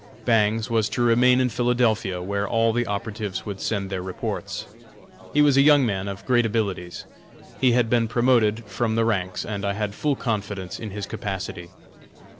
Bangs was to remain in Philadelphia, where all the operatives would send their reports. He was a young man of great abilities; he had been promoted from the ranks, and I had full confidence in his capacity.